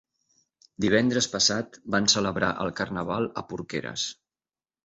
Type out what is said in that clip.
Divendres passat van celebrar el carnaval a Porqueres.